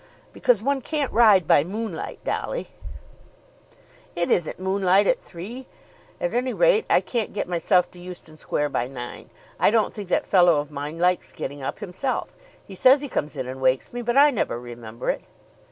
"Because one can't ride by moonlight, Dolly." "It isn't moonlight at three. At any rate I can't get myself to Euston Square by nine. I don't think that fellow of mine likes getting up himself. He says he comes in and wakes me, but I never remember it."